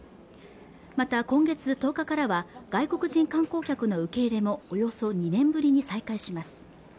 また今月１０日からは外国人観光客の受け入れもおよそ２年ぶりに再開します